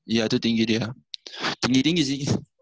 iya itu tinggi dia tinggi tinggi sih